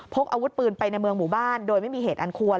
พกอาวุธปืนไปในเมืองหมู่บ้านโดยไม่มีเหตุอันควร